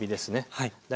はい。